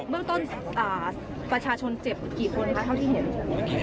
เบื้องต้นประชาชนเจ็บกี่คนคะเท่าที่เห็น